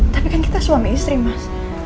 tapi kan kita suami istri mas